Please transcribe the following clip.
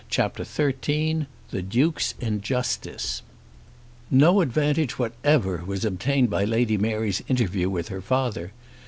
CHAPTER XIII The Duke's Injustice No advantage whatever was obtained by Lady Mary's interview with her father.